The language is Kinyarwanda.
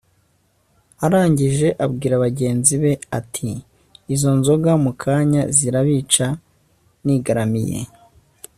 arangije abwira bagenzi be ati: izo nzoga mu kanya zirabica nigaramiye